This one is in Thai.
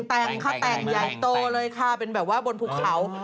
แต่งค่ะแต่งใหญ่โตเลยค่ะเป็นแบบว่าบนภูเขา